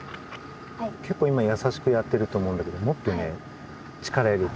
けっこう今やさしくやってると思うんだけどもっとね力を入れて。